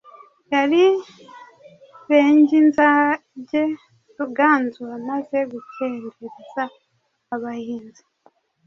yari "Benginzage "Ruganzu amaze gukendereza abahinza